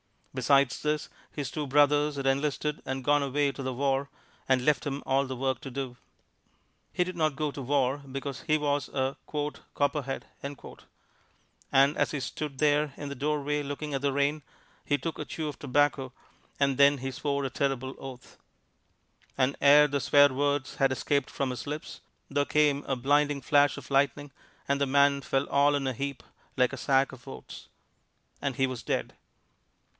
Besides this, his two brothers had enlisted and gone away to the War and left him all the work to do. He did not go to War because he was a "Copperhead"; and as he stood there in the doorway looking at the rain, he took a chew of tobacco, and then he swore a terrible oath. And ere the swear words had escaped from his lips, there came a blinding flash of lightning, and the man fell all in a heap like a sack of oats. And he was dead.